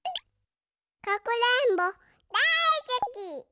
かくれんぼだいすき！